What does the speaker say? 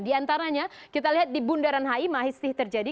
di antaranya kita lihat di bundaran hai mahistih terjadi